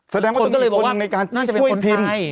แสดงว่าต้องมีคนในการช่วยพิมพ์